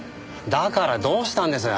だからどうしたんです？